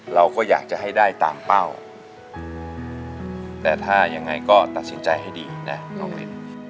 เราก็อยากจะให้ได้ตามเป้าแต่ถ้ายังไงก็ตัดสินใจให้ดีนะน้องวิน